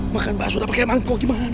makan baso udah pake mangkok gimana dul